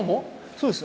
そうです。